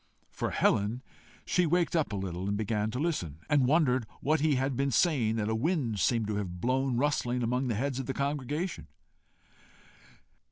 For Helen, she waked up a little, began to listen, and wondered what he had been saying that a wind seemed to have blown rustling among the heads of the congregation.